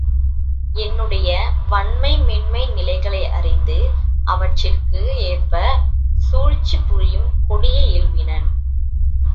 என்னுடைய வன்மை மென்மை நிலைகளை அறிந்து அவற்றிற்கு ஏற்பச் சூழ்ச்சிபுரியும் கொடிய இயல்பினன்.